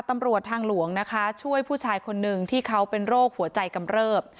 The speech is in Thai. ตำรวจทางหลวงนะคะช่วยผู้ชายคนหนึ่งที่เขาเป็นโรคหัวใจกำเริบ